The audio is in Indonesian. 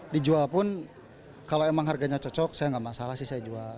dijual pun kalau emang harganya cocok saya nggak masalah sih saya jual